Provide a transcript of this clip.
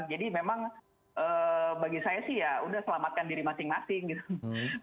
jadi memang bagi saya sih ya sudah selamatkan diri masing masing gitu